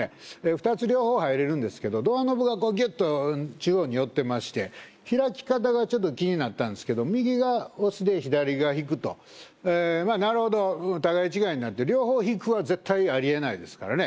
２つ両方入れるんですけどドアノブがこうギュッと中央に寄ってまして開き方がちょっと気になったんですけど右が「押す」で左が「引く」とえーまあなるほど互い違いになって両方「引く」は絶対ありえないですからね